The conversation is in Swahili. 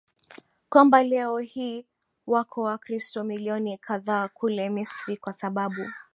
kwamba leo hii wako Wakristo milioni kadhaa kule Misri kwa sababu